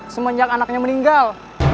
semenjak anaknya meninggal